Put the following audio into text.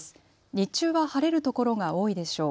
日中は晴れるところが多いでしょう。